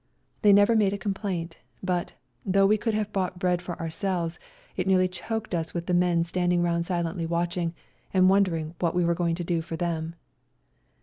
They never made a complaint; but, though we could have bought bread for ourselves, it nearly choked us with the men standing round silently watching and wondering what w^e were going to do for them.